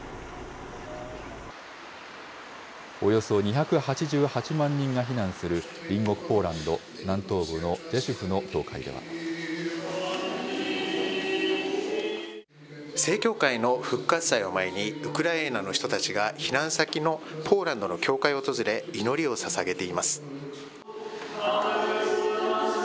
およそ２８８万人が避難する隣国ポーランド南東部のジェシュフの正教会の復活祭を前に、ウクライナの人たちが避難先のポーランドの教会を訪れ、祈りをささげています。